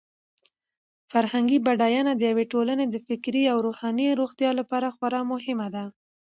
فرهنګي بډاینه د یوې ټولنې د فکري او روحاني روغتیا لپاره خورا مهمه ده.